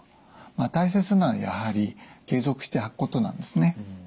大切なのはやはり継続して履くことなんですね。